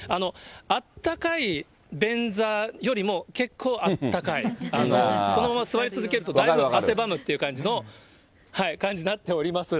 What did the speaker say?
あったかい便座よりも結構あったかい、このまま座り続けるとだいぶ汗ばむっていう感じの、感じになっております。